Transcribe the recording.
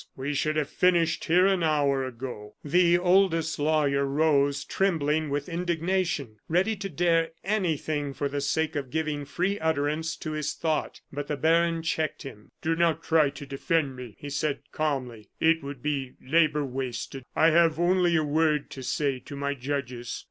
We should have finished here an hour ago." The oldest lawyer rose, trembling with indignation, ready to dare anything for the sake of giving free utterance to his thought, but the baron checked him. "Do not try to defend me," he said, calmly; "it would be labor wasted. I have only a word to say to my judges.